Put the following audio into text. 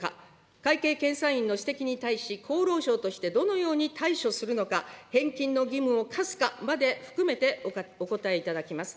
会計検査院の指摘に対し、厚労省としてどのように対処するのか、返金の義務を課すかまで含めてお答えいただきます。